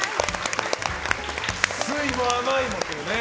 酸いも甘いもというね。